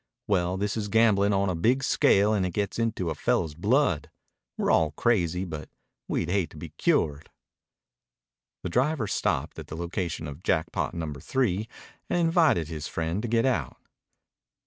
Well, this is gamblin' on a big scale and it gets into a fellow's blood. We're all crazy, but we'd hate to be cured." The driver stopped at the location of Jackpot Number Three and invited his friend to get out.